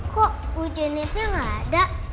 kok ibu janetnya gak ada